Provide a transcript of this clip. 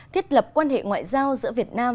thiết lập quan hệ ngoại giao giữa việt nam